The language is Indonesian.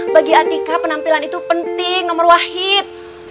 bagi atika penampilan itu penting nomor wahid